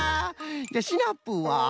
じゃシナプーは？